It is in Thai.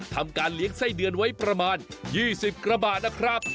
ทำการเลี้ยงไส้เดือนไว้ประมาณ๒๐กระบาทนะครับ